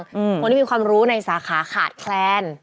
คนที่มีความรู้ในสาขาขาดแคลน